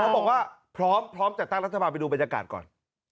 บอกว่าพร้อมพร้อมจัดตั้งรัฐบาลไปดูบรรยากาศก่อน